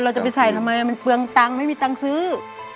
จะไปใส่ทำไมมันเปลืองตังค์ไม่มีตังค์ซื้อ